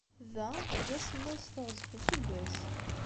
Da, d asemmiḍ s teɣzef n useggas.